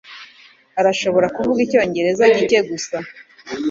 Arashobora kuvuga icyongereza gike gusa.